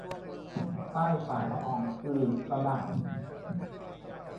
ใต้ฝ่าละอองธุลีพระบาท